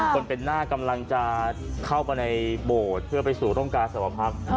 คนเป็นหน้ากำลังจะเข้าไปในโบสถ์เพื่อไปสู่ร่มกาสวพัก